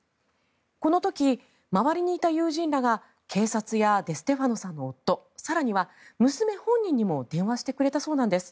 この時、周りにいた友人らが警察やデステファノさんの夫更には娘本人にも電話してくれたそうなんです。